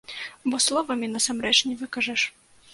Бо словамі насамрэч не выкажаш.